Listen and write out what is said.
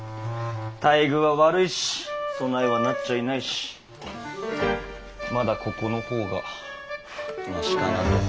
待遇は悪いし備えはなっちゃいないしまだここの方がましかなと。